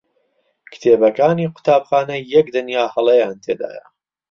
کتێبەکانی قوتابخانە یەک دنیا هەڵەیان تێدایە.